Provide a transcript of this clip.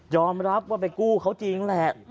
รับว่าไปกู้เขาจริงแหละ